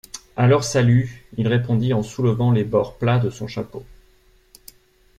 A leur salut, il répondit en soulevant les bords plats de son chapeau.